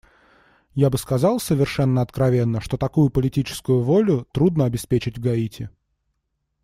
Я бы сказал совершено откровенно, что такую политическую волю трудно обеспечить в Гаити.